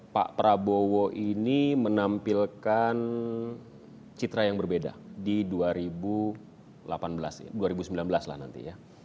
pak prabowo ini menampilkan citra yang berbeda di dua ribu delapan belas dua ribu sembilan belas lah nanti ya